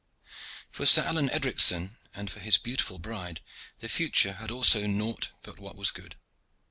For Sir Alleyne Edricson and for his beautiful bride the future had also naught but what was good.